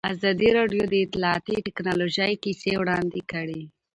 ازادي راډیو د اطلاعاتی تکنالوژي کیسې وړاندې کړي.